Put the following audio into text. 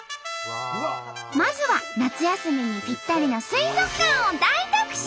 まずは夏休みにぴったりの水族館を大特集！